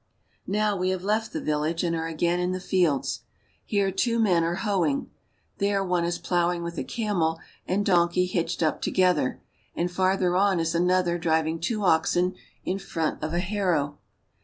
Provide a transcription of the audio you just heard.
Now we have left the village and are again in the fields. Here two men are hoeing, there one is plowing with a camel and donkey hitched up together, and farther on is another driving two oxen in front of a harrow.